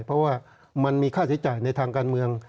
เพราะว่ามันมีค่าใช้จ่ายในทางการเมือง